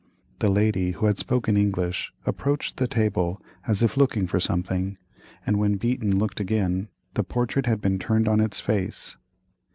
The lady who had spoken English approached the table as if looking for something, and when Beaton looked again, the portrait had been turned on its face.